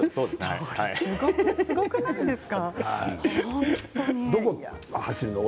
すごくないですか？